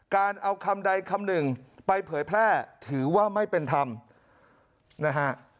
การเอาคำใดคำหนึ่งไปเผยแพร่ถือว่าไม่เป็นธรรมนะฮะ